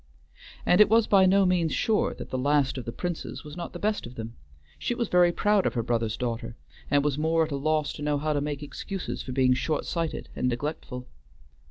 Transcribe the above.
And it was by no means sure that the last of the Princes was not the best of them; she was very proud of her brother's daughter, and was more at a loss to know how to make excuses for being shortsighted and neglectful.